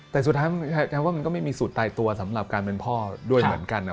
แต่สุดท้ายมันแสดงว่ามันก็ไม่มีสูตรตายตัวสำหรับการเป็นพ่อด้วยเหมือนกัน